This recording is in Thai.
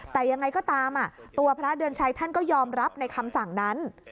แต่ยังไงก็ตามตัวพระเดือนชัยท่านก็ยอมรับในคำสั่งนั้น